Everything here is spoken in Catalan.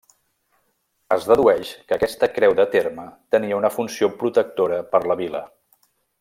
Es dedueix que aquesta creu de terme tenia una funció protectora per la vila.